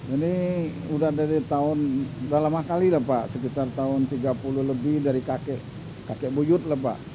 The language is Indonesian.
ini udah dari tahun udah lama kali lah pak sekitar tahun tiga puluh lebih dari kakek kakek buyut lah pak